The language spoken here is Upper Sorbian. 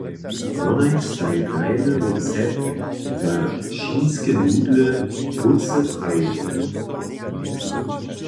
Wonaj staj tajny recept za chinske nudle wótře prajiłoj.